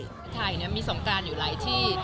วิถีไทยมีสงการอยู่หลายที่